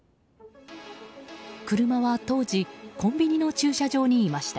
車は当時コンビニの駐車場にいました。